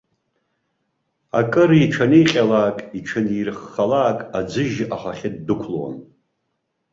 Акыр иҽаниҟьалак, иҽанирххалак, аӡыжь ахахьы ддәықәлон.